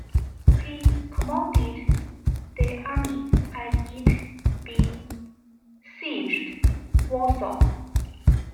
He commanded the army as it besieged Warsaw.